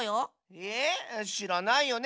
えぇ？しらないよね？